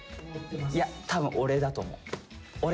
いや多分オレだと思う。